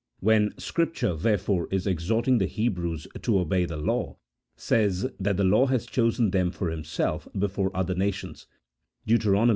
When Scripture, therefore, in exhorting the Hebrews to obey the law, says that the Lord has chosen them for Him self before other nations (Dent.